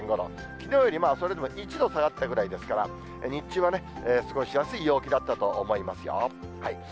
きのうよりそれでも１度下がったぐらいですから、日中はね、過ごしやすい陽気だったと思いますよ。